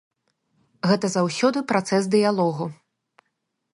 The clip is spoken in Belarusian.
Гэта заўсёды працэс дыялогу.